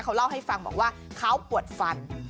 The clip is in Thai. เขาเล่าให้ฟังบอกว่าเขาปวดฟัน